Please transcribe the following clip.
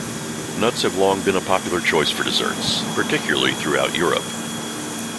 Nuts have long been a popular choice for desserts, particularly throughout Europe.